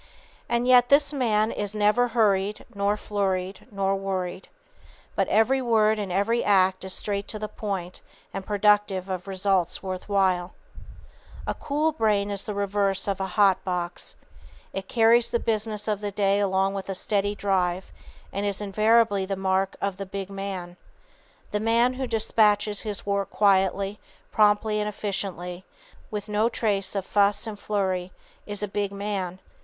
And yet this man is never "hurried, nor flurried, nor worried." But every word and every act is straight to the point and productive of results worth while. [Sidenote: Cool Brains and Hot Boxes] "A cool brain is the reverse of a hot box. It carries the business of the day along with a steady drive, and is invariably the mark of the big man. The man who dispatches his work quietly, promptly and efficiently, with no trace of fuss and flurry, is a big man.